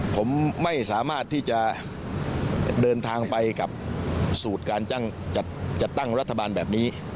ผมไม่สามารถที่จะเดินทางไปกับสูตรการจัดตั้งรัฐบาลแบบนี้